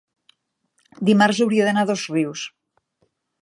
dimarts hauria d'anar a Dosrius.